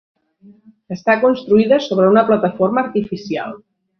Està construïda sobre una plataforma artificial.